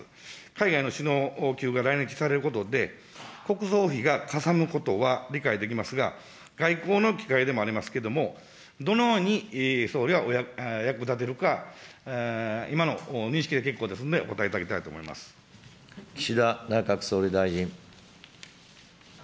海外の首脳級が来日されることで、国葬費がかさむことは理解できますが、外交の機会でもありますけども、どのように、総理は役立てるか、今の認識で結構ですので、岸田内閣総理大臣。